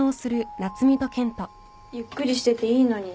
ゆっくりしてていいのに。